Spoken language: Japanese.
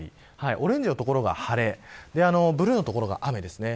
オレンジの所が晴れブルーの所が雨です。